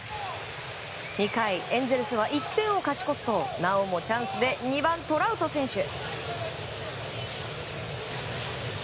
２回、エンゼルスは１点を勝ち越すとなおもチャンスで２番、トラウト選手。